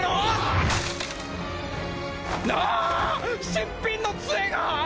新品の杖が！